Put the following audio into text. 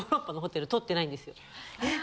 えっ！